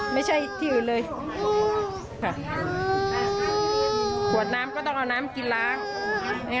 ไม่ใช่ที่อื่นเลย